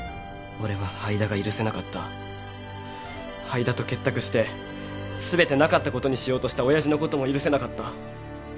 灰田と結託して全てなかったことにしようとした親父のことも許せなかった。